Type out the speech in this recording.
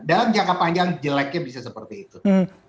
dalam jangka panjang jeleknya bisa seperti itu